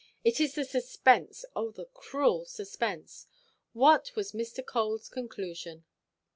It is the suspense, oh the cruel suspense. What was Mr. Coleʼs conclusion?"